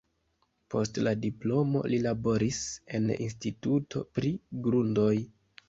Post la diplomo li laboris en instituto pri grundoj.